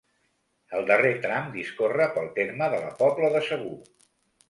El darrer tram discorre pel terme de la Pobla de Segur.